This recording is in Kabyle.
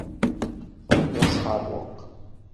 D asxeṛweq.